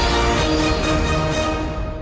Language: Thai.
โปรดติดตามตอนต่อไป